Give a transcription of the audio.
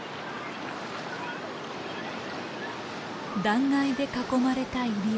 断崖で囲まれた入り江。